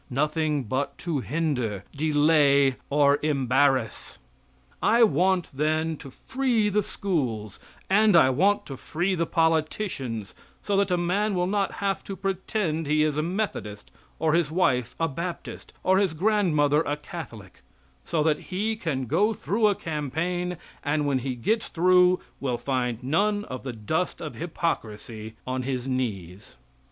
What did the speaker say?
Nothing but to hinder, delay or embarrass. I want, then, to free the schools; and I want to free the politicians, so that a man will not have to pretend he is a Methodist, or his wife a Baptist, or his grandmother a Catholic; so that he can go through a campaign, and when he gets through will find none of the dust of hypocrisy on his knees.